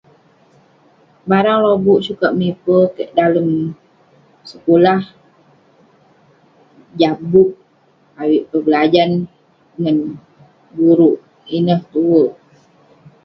Barang lobuk sukat mipe ke'ik dalem sekulah, jah bup ayuk kik berajan..ngan guru ineh tuwerk..